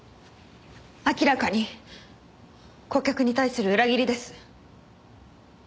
明らかに顧客に対する裏切りです。